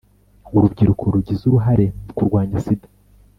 Urubyiruko rugize uruhare mu kurwanya sida